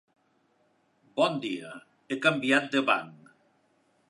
Bon dia, he canviat de banc.